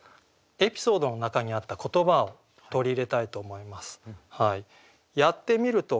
エピソードの中にあった言葉を取り入れたいと思います。